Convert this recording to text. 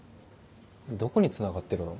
どこにつながってるの？